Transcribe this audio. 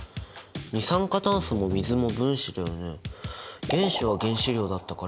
二酸化炭素も水も分子だよね？